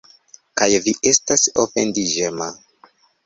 Kaj vi estas ofendiĝema.